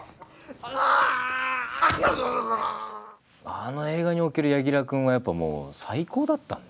あの映画における柳楽君はやっぱもう最高だったんで。